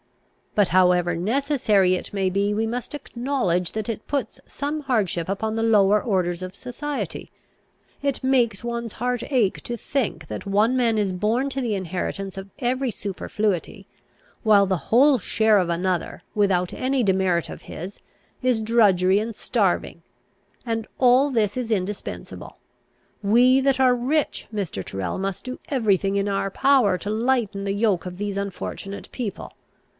But, however necessary it may be, we must acknowledge that it puts some hardship upon the lower orders of society. It makes one's heart ache to think, that one man is born to the inheritance of every superfluity, while the whole share of another, without any demerit of his, is drudgery and starving; and that all this is indispensable. We that are rich, Mr. Tyrrel, must do every thing in our power to lighten the yoke of these unfortunate people.